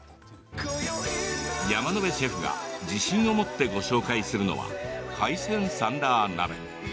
山野辺シェフが自信を持ってご紹介するのは海鮮サンラー鍋。